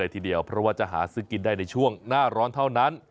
ทีเดียวเพราะว่าจะหาซื้อกินได้ในช่วงหน้าร้อนเท่านั้น